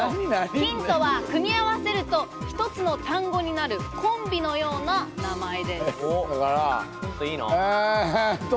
ヒントは、組み合わせると１つの単語になるコンビのような名前です。